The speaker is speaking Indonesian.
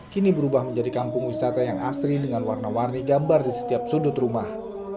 kini berubah menjadi kampung wisata yang asri dengan warna warni gambar di setiap sudut rumah